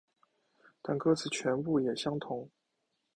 但歌词全部也相同。